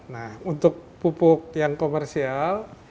nah untuk pupuk yang komersial